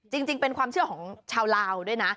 จริงเป็นความเชื่อของชาวลาวด้วยนะ